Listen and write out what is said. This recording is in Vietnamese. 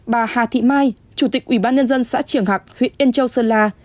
bà hà thị mai chủ tịch ubnd xã triển hạc huyện yên châu sơn la